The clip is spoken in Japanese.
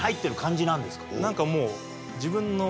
何かもう。